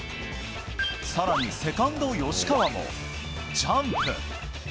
さらにセカンド、吉川もジャンプ。